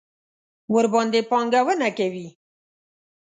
ورباندې پانګونه کوي.